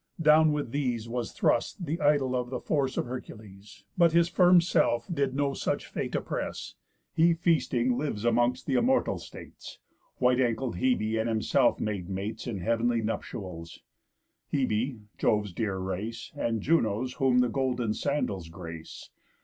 Down with these was thrust The idol of the force of Hercules, But his firm self did no such fate oppress, He feasting lives amongst th' Immortal States, White ankled Hebe and himself made mates In heav'nly nuptials. Hebe, Jove's dear race, And Juno's whom the golden sandals grace.